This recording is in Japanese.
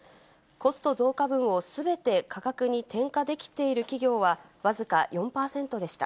コスト増加分をすべて価格に転嫁できている企業は、僅か４％でした。